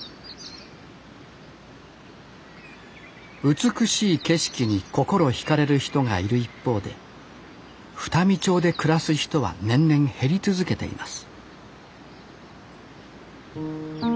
美しい景色に心惹かれる人がいる一方で双海町で暮らす人は年々減り続けています